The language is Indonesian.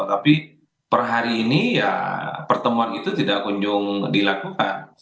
tapi per hari ini ya pertemuan itu tidak kunjung dilakukan